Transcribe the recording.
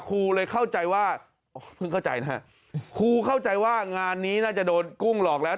ครูเลยเข้าใจว่าอ๋อเพิ่งเข้าใจนะฮะครูเข้าใจว่างานนี้น่าจะโดนกุ้งหลอกแล้ว